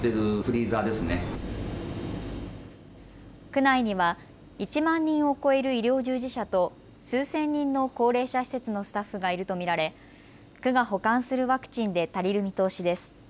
区内には１万人を超える医療従事者と数千人の高齢者施設のスタッフがいると見られ区が保管するワクチンで足りる見通しです。